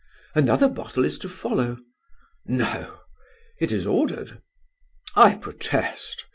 "Another bottle is to follow." "No!" "It is ordered." "I protest."